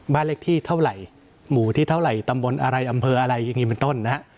บ้านเลขที่เท่าไหร่หมู่ที่เท่าไหร่ตำบลอะไรอำเภออะไรอย่างนี้เป็นต้นนะฮะ